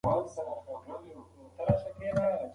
ټکنالوژي د وخت سپما ته مرسته کوي.